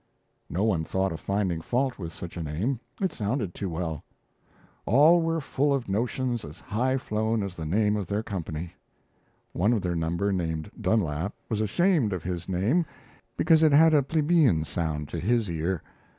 No one thought of finding fault with such a name it sounded too well. All were full of notions as high flown as the name of their company. One of their number, named Dunlap, was ashamed of his name, because it had a plebeian sound to his ear.